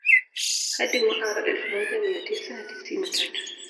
Hadi mwaka wa elfu moja mia tisa na tisini na tatu